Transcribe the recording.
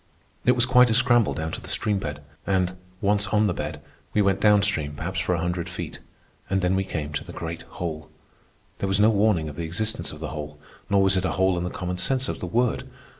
It was quite a scramble down to the stream bed, and, once on the bed, we went down stream perhaps for a hundred feet. And then we came to the great hole. There was no warning of the existence of the hole, nor was it a hole in the common sense of the word.